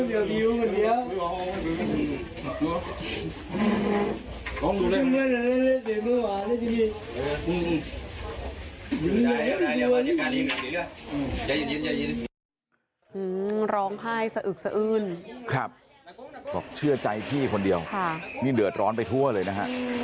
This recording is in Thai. ฮืมร้องไห้สะอึกสะอืนครับเชื่อใจที่คนเดียวโดยร้อนไปทั่วเลยนะฮะ